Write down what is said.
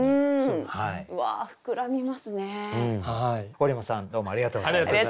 堀本さんどうもありがとうございました。